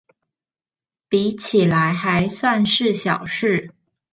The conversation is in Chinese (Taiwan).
比起來還算是小事